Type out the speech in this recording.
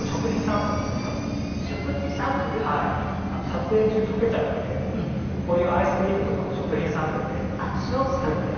撮影中溶けちゃうのでこういうアイスクリームとかも食品サンプルで作って。